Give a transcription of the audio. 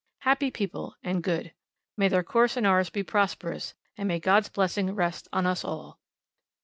Happy people, and good! may their course and ours be prosperous, and may God's blessing rest on us all!